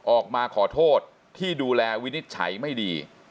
ออกมาขอโทษที่ดูแลวินิจฉัยไม่ดี